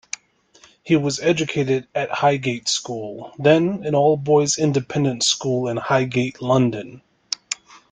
He was educated at Highgate School, then an all-boys independent school in Highgate, London.